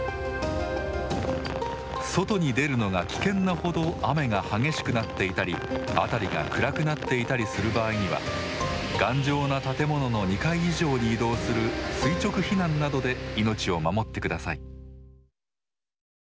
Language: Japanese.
外に出るのが危険なほど雨が激しくなっていたり、辺りが暗くなっていたりする場合には頑丈な建物の２階以上に移動する垂直避難などで命を守ってください。